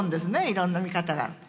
いろんな見方がある。